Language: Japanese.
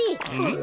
ん？